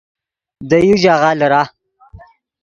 دے یو ژاغہ لیرہ